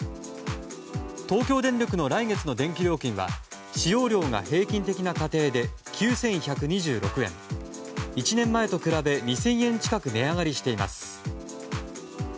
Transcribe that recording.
東京電力の来月の電気料金は使用量が平均的な家庭で９１２６円１年前と比べ２０００円近く値上がりしています。